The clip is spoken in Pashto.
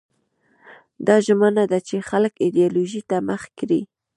دا ژمنه ده چې خلک ایدیالوژۍ ته مخه کړي.